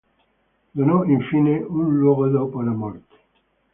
Donò infine un luogo dopo la morte.